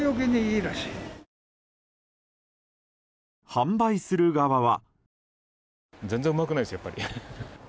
販売する側は。